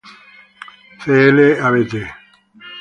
Cl., Abt.